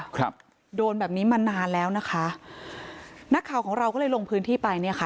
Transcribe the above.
ครับโดนแบบนี้มานานแล้วนะคะนักข่าวของเราก็เลยลงพื้นที่ไปเนี่ยค่ะ